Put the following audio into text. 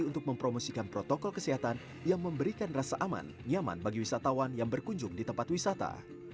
untuk mempromosikan protokol kesehatan yang memberikan rasa aman nyaman bagi wisatawan yang berkunjung di tempat wisata